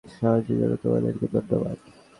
সাহায্যের জন্য তোমাদেরকে ধন্যবাদ।